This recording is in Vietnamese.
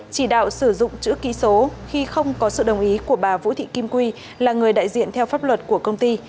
chỉ đạo sử dụng chữ ký số khi không có sự đồng ý của bà vũ thị kim quy là người đại diện theo pháp luật của công ty